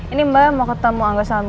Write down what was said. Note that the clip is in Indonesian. ini mbak mau ketemu angga saham